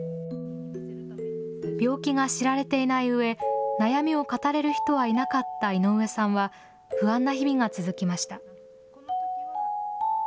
病気が知られていないうえ、悩みを語れる人はいなかった井上さんは、不安な日々が続きました。